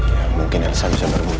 ya mungkin elsa bisa berguna